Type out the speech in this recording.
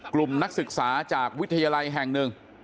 นักศึกษาจากวิทยาลัยแห่งหนึ่ง